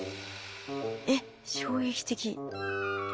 えっ衝撃的。